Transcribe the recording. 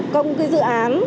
công cái dự án